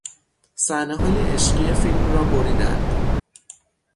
صحنههای عشقی فیلم را بریدند.